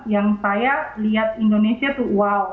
yang saya lihat indonesia tuh wow